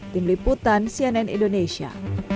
tim liputan cnn indonesia